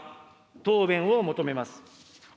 答弁を求めます。